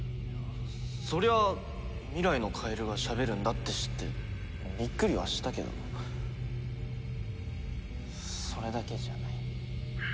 そりゃあ未来のカエルはしゃべるんだって知ってびっくりはしたけどそれだけじゃない。